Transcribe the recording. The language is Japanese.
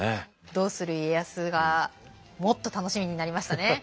「どうする家康」がもっと楽しみになりましたね。